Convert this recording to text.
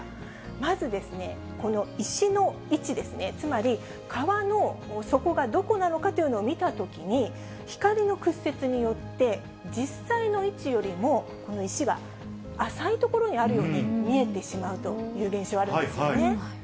まず、この石の位置ですね、つまり川の底がどこなのかというのを見たときに、光の屈折によって実際の位置よりもこの石が浅い所にあるように見えてしまうという現象があるんですよね。